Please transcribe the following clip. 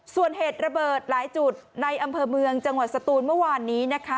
ส่วนเหตุระเบิดหลายจุดในอำเภอเมืองจังหวัดสตูนเมื่อวานนี้นะคะ